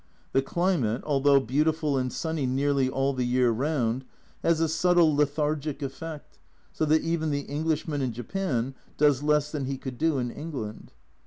The climate, although beautiful and sunny nearly all the year round, has a subtle lethargic effect, so that even the Englishman in Japan does less than he could do in England.